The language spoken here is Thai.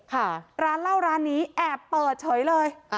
ค่ะร้านเหล้าร้านนี้แอบเปิดเฉยเลย